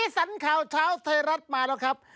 สันข่าวเช้าไทยรัฐมาแล้วครับ